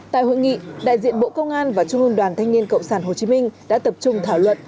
tại hội nghị đại diện bộ công an và trung ương đoàn thanh niên cộng sản hồ chí minh đã tập trung thảo luận